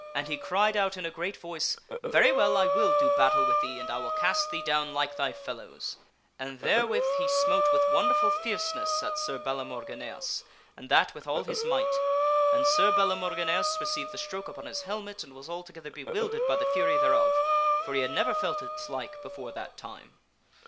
And he cried out in a great voice, " Very well, I will do battle with thee, and I will cast thee down like thy fellows !" And therewith he smote with wonderful fierceness at Sir Balamorgineas, and that with all his might. And Sir Balamorgineas received the stroke upon his helmet and was altogether bewildered by the fury thereof, for he had never felt its like before that time.